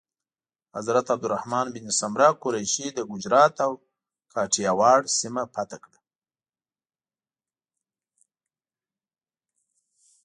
حضرت عبدالرحمن بن سمره قریشي د ګجرات او کاټیاواړ سیمه فتح کړه.